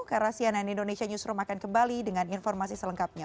karena cnn indonesia newsroom akan kembali dengan informasi selengkapnya